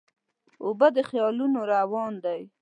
اوبه د خیالونو روان دي.